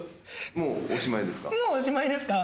「もうおしまいですか？」